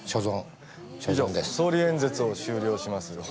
以上総理演説を終了します。